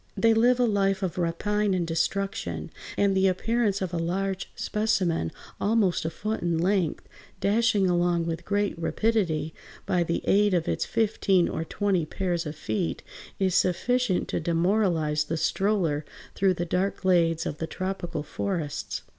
They live a life of rapine and destruction, and the appearance of a large specimen almost a foot in length, dashing along with great rapidity by the aid of its fifteen or twenty pairs of feet, is sufficient to demoralize the stroller through the dark glades of the tropical forests.